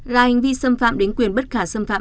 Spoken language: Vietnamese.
là hành vi xâm phạm đến quyền bất khả xâm phạm